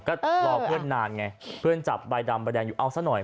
ก็รอเพื่อนนานไงเพื่อนจับใบดำใบแดงอยู่เอาซะหน่อย